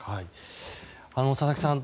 佐々木さん